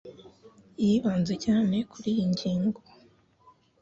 Yibanze cyane kuri iyi ngingo.